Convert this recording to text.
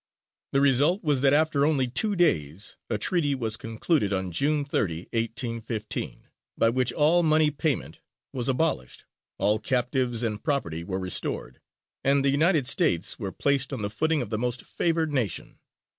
The result was that after only two days a Treaty was concluded on June 30, 1815, by which all money payment was abolished, all captives and property were restored, and the United States were placed on the footing of the most favoured nation.